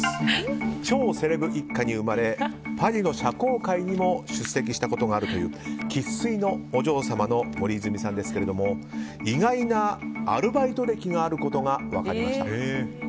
超セレブ一家に生まれパリの社交界にも出席したことがあるという生粋のお嬢様の森泉さんですけれども意外なアルバイト歴があることが分かりました。